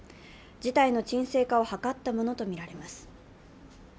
事態の鎮静化を図ったものとみられます。